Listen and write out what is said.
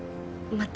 また。